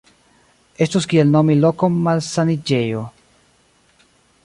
Estus kiel nomi lokon malsaniĝejo.